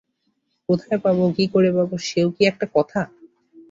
কোথায় পাব, কী করে পাব, সেও কি একটা কথা!